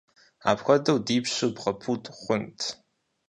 Апхуэдэу ди пщыр бгъэпуд хъунт!